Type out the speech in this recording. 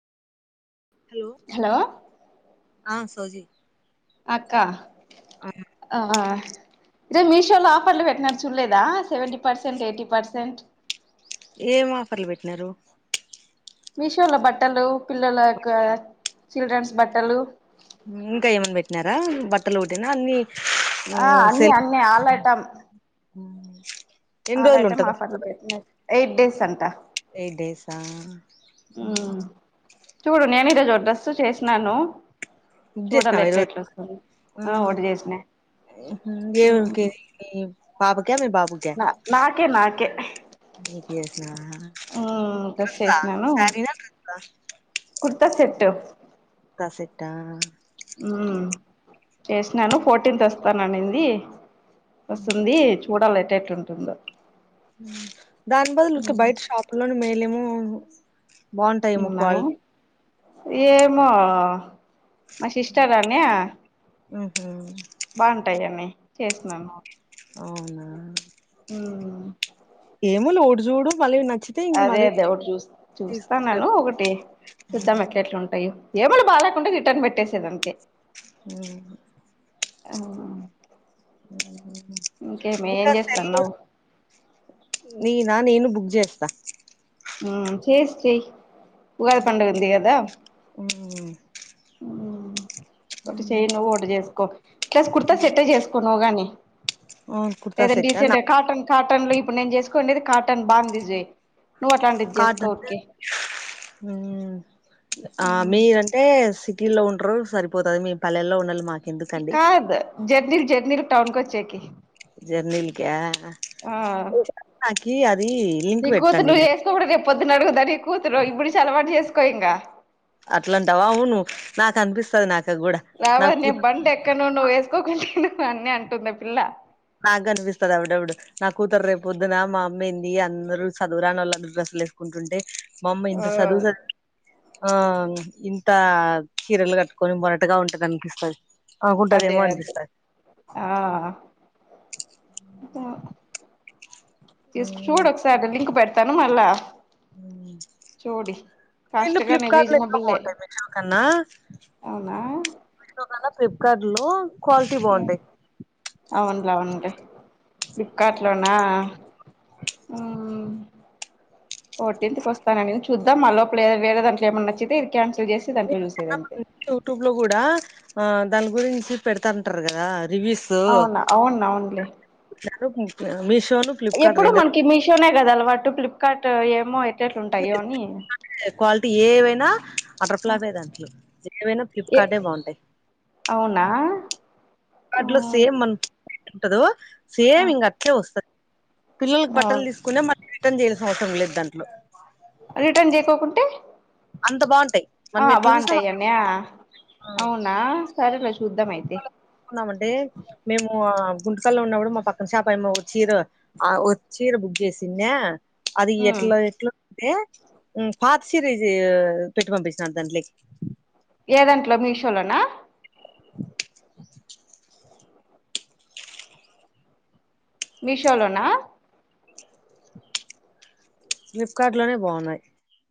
hello ఆ సౌజీ అక్కా ఆ జర్ మీషో లో ఆఫర్లు పెట్టినారు చూడలేదా seventy percent eighty percent ఏమి ఆఫర్లు పెట్టినారు మీ షోలో బట్టలు పిల్లల యొక్క చిల్డ్రన్స్ బట్టలు ఇంకా ఏమని పెట్టినారా బట్టలు ఒకటేనా అన్నీ ఆ అన్ని అన్నీ ఆలైటం ఉ అలా అయితే మా ఫర్లు పెట్టిన ఎయిట్ డేస్ అంటా ఎయిట్ డేసా ఆ హ్మ్ హు ఉమ్ చూడు నేను ఈరోజు వడ్రస్ చేసినాను బుక్ చేసినావా చూడాలి ఎట్ల ఈరోజు ఎట్ల వస్తుంది ఆ ఒకటి చేసినా ఓకే కె కానీ బాగుంటాయి నా నాకే నాకే నువ్వు చేసినవా ఉమ్ డ్రెస్ కస్త చేసినాను సారి నా మాటాడండి కుర్తా సెట్టు కుర్తా సెట్ ఆ ఉ చేసినాను ఫోర్టీన్త్ వస్తాననింది వస్తుంది చూడాల్లా ఎటట్టు ఉంటుందో దాని బదులు ను బయట షాపు లోని మేలేమ బాగుంటాయి ఏమో క్వా ఉన్నాము ఏమో మా సిస్టర్ అనే ఓహో బాగుంటాయిన్నీ చేసినను అవునా ఏమో లే ఒకటి చూడు మళ్ళీ న అదే అదే ఒకటి చూ చూస్తాన్నాను తీసుకుంటే ఒకటి చూద్దాం ఎట్లా ఎట్లు ఉంటాయో ఏదోకటి బాలకుండా రిటర్న్ పెట్టేసేదానికి హ్మ్ అ ఇంకేమ ఏం చేస్తాన్నావు నీనా నేను బుక్ చేస్తా చేేసి చై ఉగాది పండుగంది కదా హ్మ్ ఆ ఒకటు చేయ్య నువ్వు ఒకటు చేసుకో ప్లాస్ కుర్తా సెట్టే చేసుకో నువ్వు గాని అవును కుర్తా లేదంటడి సెట్టా సె నా కాటన్ కాటన్ లో ఇప్పుడు నేను చేసుకోనేేది కాటన్ బాందిజే కార్డు అంటే ఆ మీరంటే సి వల్లో ఉండరు సరిపోతంది మీ పల్లెల్లో ఉండి మా కాదు జర్నీల్ జర్నీలు టౌన్ కు వచ్చేకి జర్నీల్ కా ఆ నాకి అది లింక్ పెట్టండి పొద్దున్న అడుగుదని కూతురు ఇప్పుడు నుంచు అలవాటు చేసుకో ఇంక అట్లాంటవా అవునువు నాకు అనిపిస్తుది నాకు కూడా నా రావదు నేను కూతురు బంది ఎక్క ను నువ్వు వేసుకోకుండాన్నా అన్న అంటుంది పిల్ల నాకు కనిపిస్తుంది అవుడవుడు నా కూతురు రేపు పొద్దున మా అమ్మయి ఏంది అందరూ చదువురాని వాళ్ళందూ సుకుంటుంటే మా అమ్మ ఇంత ఆ చదువుదు ఆ ఇంత కీరలు కట్టుకొని మొరటగా ఉంటది అనిపిస్తుంది అదే అకుంటదేమో అదే అనిపిస్తాయి జస్ట్ చూడు ఒకసారి లింక్ పెడతాను మళ్ళా హ్మ్ చూడి నేను కాస్ట్ గానే ఫ్లిప్కార్ట్ లో ఇంకా రీజనబుల్లే బాగుంటాయి మిషో కన్నా అవునా మిషో క ఫ్లిప్కార్ట్ లో క్వాలిటీ బాగుంటాయి అవును అవునులే ఫ్లిప్కార్ట్ లోనా ఫోర్తికి వస్తానం నేను చూద్దాం మా లోపల వేరే దాంట్ ఏమన్నా నచ్చితే క్యాన్సిల్ చేసి దాంట్లో చూసేది అంతే [unintelligible] యూట్యూబ్ లో కూడా ఆ దాని గురించి పెడతాంటారు కదా రివీస్ అవునా అవును అవునులే [unintelligible] ఎప్పుడు మనకి మీషోనే కదా అలవాటు ఫ్లిప్కార్ట్ ఏమో ఎయితేట్లు ఉంటాయో అని క్వాలిటీ ఏవైనా అత్తెరఫాల్ట్ ఏ దాంట్లో ఏవైనా ఏ ఫ్లిప్కార్టే బాగుంటాయి అవునా వాటిలో సేమ్ మన ఉంటందో సేమ్ ఇంగా అట్లే వస్తది పిల్లలకి బట్టలు అవును తీసుకునే మళ్ళీ రిటర్న్ చేయయాల్సిన అవసరం లేదు దాంట్లో రిటర్న్ చేయకోకుంటే అంత బాగుం ఆ బాగుంటాయి అన్న అవునా సరే లే వాళ్లకు కుందామండి మేము ఆ గుంటకల్లో ఉన్నప్పుడు మా పక్కన షాప్ యమ్మ ఓ చీర ఆ ఓ చీర బుక్ చేసింన్యా అది మ్మ్ ఎట్లా ఎట్లో ఏ ఉమ్ పాత చీర ఇది పెట్టి పంపించినాడు దంట్లే ఏదంట్లో మీషోలోనా మీ షో లోనా ఫ్లిప్కార్ట్ లోనే బాగున్నాయి